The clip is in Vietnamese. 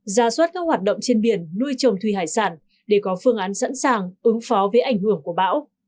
ra suất các hoạt động trên biển nuôi trồng thủy hải sản để có phương án sẵn sàng ứng phó với ảnh hưởng của bão